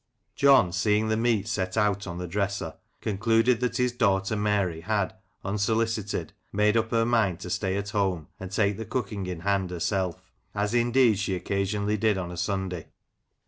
John, seeing the meat set out on the dresser, concluded that his daughter Mary had, unsolicited, made up her mind to stay at home and take the cooking in hand herself, as indeed she occasionally did on a Sunday.